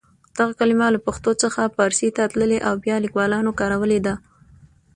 دغه کلمه له پښتو څخه پارسي ته تللې او بیا لیکوالانو کارولې ده.